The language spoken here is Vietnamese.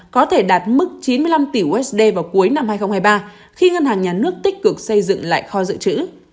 có thể đạt mức chín mươi năm tỷ usd vào cuối năm hai nghìn hai mươi ba khi ngân hàng nhà nước tích cực xây dựng lại kho dự trữ